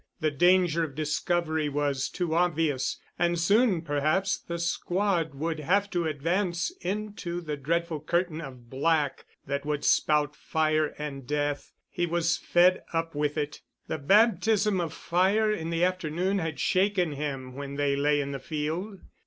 The danger of discovery was too obvious—and soon perhaps the squad would have to advance into the dreadful curtain of black that would spout fire and death. He was fed up with it. The baptism of fire in the afternoon had shaken him when they lay in the field.